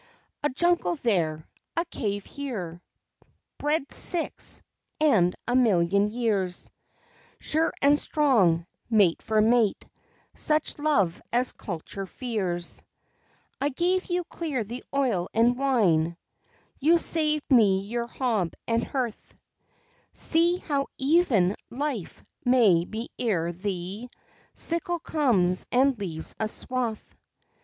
A jungle there, a cave here, bred six And a million years, Sure and strong, mate for mate, such Love as culture fears; I gave you clear the oil and wine; You saved me your hob and hearth See how even life may be ere the Sickle comes and leaves a swath.